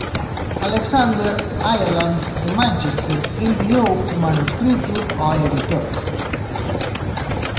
Alexander Ireland de Manchester enviou o manuscrito ao editor.